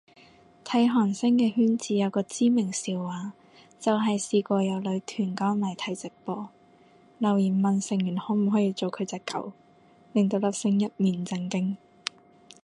睇韓星嘅圈子有個知名笑話，就係試過有女團歌迷睇直播，留言問成員可唔可以做佢隻狗，令到粒星一面震驚